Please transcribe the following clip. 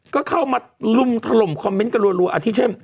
ก็เข้ามาลุมถล่มคอมเมนต์กันรัวอาทิเช่น